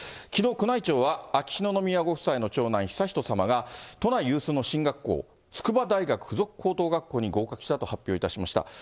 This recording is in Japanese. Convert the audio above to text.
きのう、宮内庁は秋篠宮ご夫妻の長男、悠仁さまが、都内有数の進学校、筑波大学附属高等学校に合格したと発表いたしました。